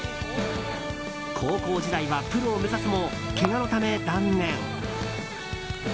高校時代はプロを目指すもけがのため断念。